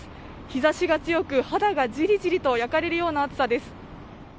日差しが強く肌がじりじりと焼かれるような暑さです。